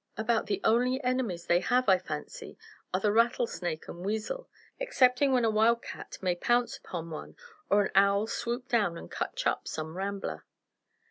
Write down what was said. About the only enemies they have, I fancy, are the rattlesnake and weasel, excepting when a wild cat may pounce upon one, or an owl swoop down and snatch up some rambler.